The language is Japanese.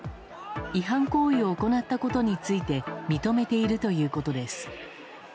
違反行為を行ったことについて、認めているということです。